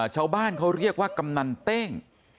ชาวบ้านเขาเรียกว่ากำนันเต้ง